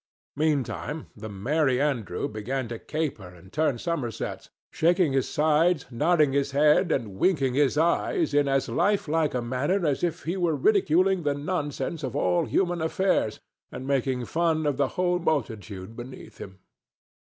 Meantime, the Merry Andrew began to caper and turn somersets, shaking his sides, nodding his head and winking his eyes in as lifelike a manner as if he were ridiculing the nonsense of all human affairs and making fun of the whole multitude beneath him.